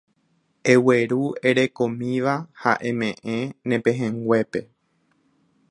Egueru erekomíva ha eme'ẽ ne pehẽnguépe